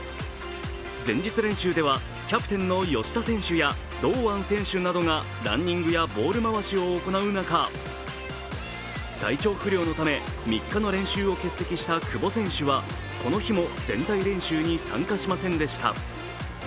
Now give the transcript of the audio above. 前日練習ではキャプテンの吉田選手や堂安選手などがランニングやボール回しを行う中、体調不良のため３日の練習を欠席した久保選手はこの日も全体練習に参加しませんでした。